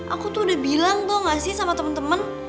aku tuh udah bilang tuh gak sih sama temen temen